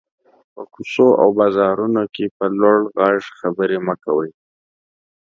په کوڅو او بازارونو کې په لوړ غږ خبري مه کوٸ.